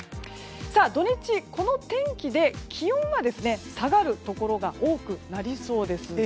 土日、この天気で気温は下がるところが多くなりそうです。